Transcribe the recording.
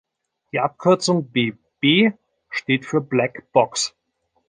Die Abkürzung bB steht für black Box.